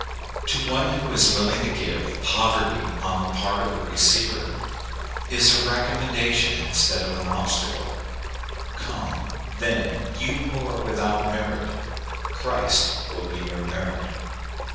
To one who is willing to give, pov erty, on the part of the receiver, is a recommend ation instead of an obstacle. Come, then, you who are without merit, Christ will be your merit.